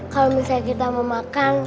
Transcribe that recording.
kalau misalnya kita mau makan